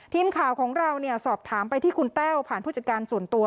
ทีมข่าวของเราสอบถามไปที่คุณแต้วผ่านผู้จัดการส่วนตัว